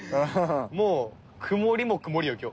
もう曇りも曇りよ今日。